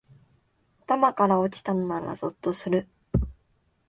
頭から落ちたのならゾッとする